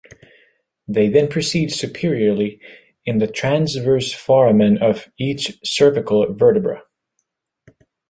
They then proceed superiorly, in the transverse foramen of each cervical vertebra.